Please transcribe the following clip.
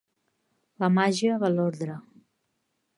La màgia de l’ordre.